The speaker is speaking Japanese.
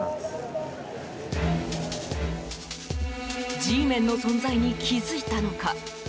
Ｇメンの存在に気づいたのか？